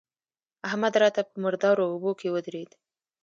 احمد راته په مردارو اوبو کې ودرېد.